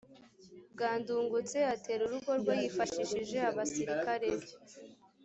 bwa ndungutse atera urugo rwe yifashishije abasirikare be